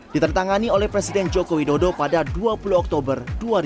diterentangani oleh presiden joko widodo pada dua puluh oktober dua ribu lima belas